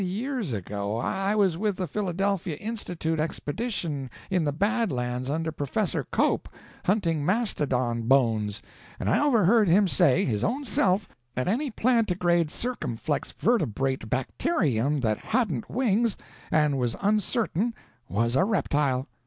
"Years ago. I was with the Philadelphia Institute expedition in the Bad Lands under Professor Cope, hunting mastodon bones, and I overheard him say, his own self, that any plantigrade circumflex vertebrate bacterium that hadn't wings and was uncertain was a reptile.